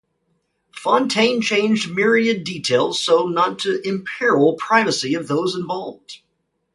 Fontane changed myriad details so as not to imperil privacy of those involved.